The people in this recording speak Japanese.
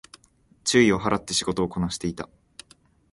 注意を払って仕事をこなしていた